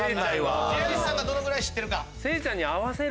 白石さんがどのぐらい知ってるか。